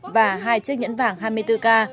và hai chiếc nhẫn vàng hai mươi bốn k